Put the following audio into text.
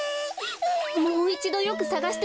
もういちどよくさがしてみましょう。